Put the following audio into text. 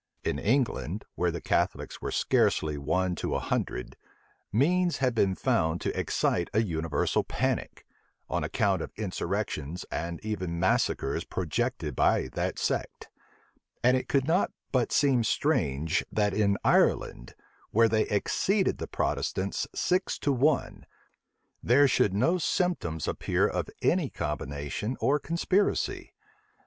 In England, where the Catholics were scarcely one to a hundred, means had been found to excite a universal panic, on account of insurrections and even massacres projected by that sect; and it could not but seem strange that in Ireland, where they exceeded the Protestants six to one, there should no symptoms appear of any combination or conspiracy.